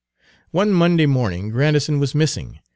One Monday morning Grandison was missing.